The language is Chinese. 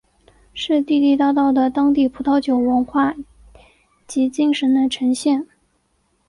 是地地道道的当地葡萄酒文化及精神的呈现。